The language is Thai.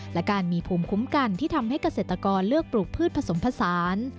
และการมีภูมิคุ้มกันที่ทำให้เกษตรกรเลือกปลูกพืชผสมผสาน